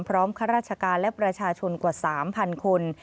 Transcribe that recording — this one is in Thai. ข้าราชการและประชาชนกว่า๓๐๐คน